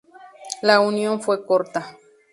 La unión fue corta.